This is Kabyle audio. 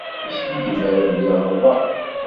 Ur skiddibeɣ ara belli ɣelḍeɣ.